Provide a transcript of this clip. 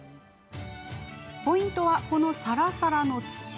ポイントはこのさらさらの土。